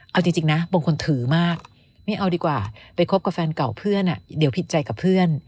เอาจริงนะบางคนถือมากไม่เอาดีกว่าไปคบกับแฟนเก่าเพื่อนเดี๋ยวผิดใจกับเพื่อน